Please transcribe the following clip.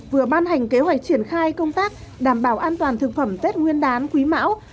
vừa ban hành kế hoạch triển khai công tác đảm bảo an toàn thực phẩm tết nguyên đán quý mão